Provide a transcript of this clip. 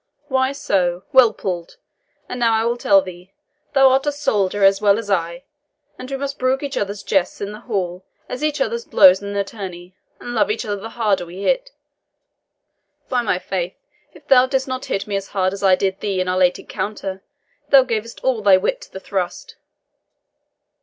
Why, so well pulled! and now I will tell thee, thou art a soldier as well as I, and we must brook each other's jests in the hall as each other's blows in the tourney, and love each other the harder we hit. By my faith, if thou didst not hit me as hard as I did thee in our late encounter! thou gavest all thy wit to the thrust.